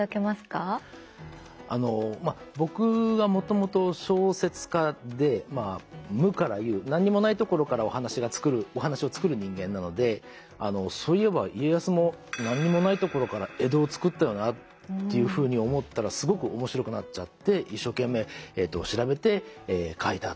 あの僕はもともと小説家で無から有何にもないところからお話を作る人間なのでそういえば家康も何にもないところから江戸をつくったよなっていうふうに思ったらすごく面白くなっちゃって一生懸命調べて書いたっていうことなんですね。